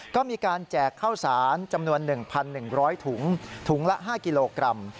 ก็มีการแจกข้าวสารจำนวน๑๑๐๐ถุงถุงละ๕กิโลกรัม